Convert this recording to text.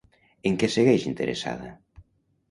En què segueix interessada?